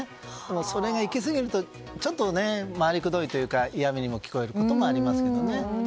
それが行き過ぎるとちょっと回りくどいというか嫌味にも聞こえることもありますけどね。